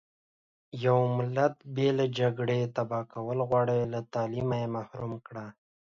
يو ملت که بې له جګړې تبا کول غواړٸ له تعليمه يې محروم .